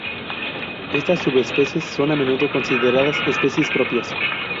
Estas subespecies son a menudo consideradas especies propias.